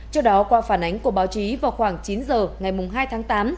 trước đó qua phản ánh của báo chí vào khoảng chín giờ ngày hai tháng tám